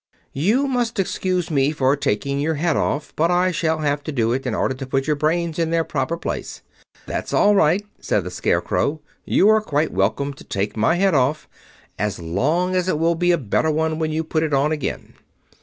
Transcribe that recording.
"You must excuse me for taking your head off, but I shall have to do it in order to put your brains in their proper place." "That's all right," said the Scarecrow. "You are quite welcome to take my head off, as long as it will be a better one when you put it on again."